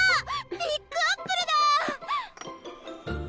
ビックアップルだ！